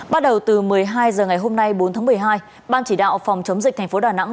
bắt đầu từ một mươi hai h ngày hôm nay bốn tháng một mươi hai ban chỉ đạo phòng chống dịch thành phố đà nẵng